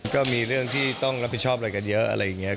ก็มีเรื่องที่ต้องรับผิดชอบอะไรกันเยอะอะไรอย่างนี้